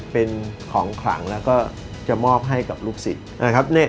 เป็นของขลังแล้วก็จะมอบให้กับลูกศิษย์นะครับ